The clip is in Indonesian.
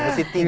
mesti tiga deh